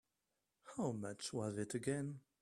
How much was it again?